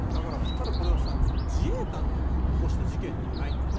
ただ、これは自衛官が起こした事件ではないんだよね。